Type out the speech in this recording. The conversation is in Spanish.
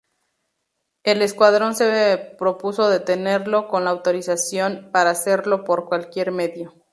El escuadrón se propuso detenerlo, con la autorización para hacerlo por cualquier medio.